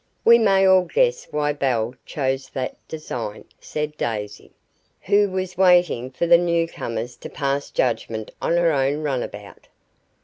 "We may all guess why Belle chose that design," said Daisy, who was waiting for the newcomers to pass judgment on her own runabout.